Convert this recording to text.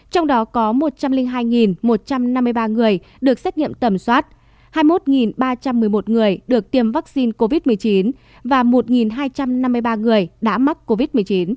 trong đó có một trăm linh hai một trăm năm mươi ba người được xét nghiệm tầm soát hai mươi một ba trăm một mươi một người được tiêm vaccine covid một mươi chín và một hai trăm năm mươi ba người đã mắc covid một mươi chín